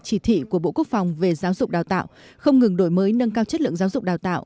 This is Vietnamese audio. chỉ thị của bộ quốc phòng về giáo dục đào tạo không ngừng đổi mới nâng cao chất lượng giáo dục đào tạo